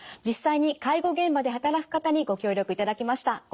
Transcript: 実際に介護現場で働く方にご協力いただきました。